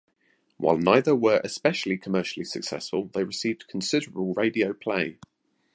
While neither were especially commercially successful they received considerable radio play.